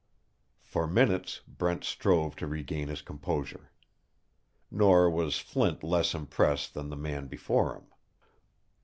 For minutes Brent strove to regain his composure. Nor was Flint less impressed than the man before him.